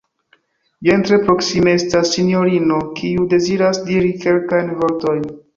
Jen tre proksime estas sinjorino, kiu deziras diri kelkajn vortojn.